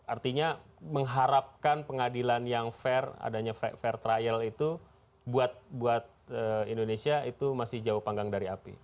artinya mengharapkan pengadilan yang fair adanya fair trial itu buat indonesia itu masih jauh panggang dari api